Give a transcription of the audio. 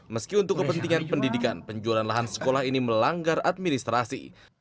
meski untuk kepentingan pendidikan penjualan lahan sekolah ini melanggar administrasi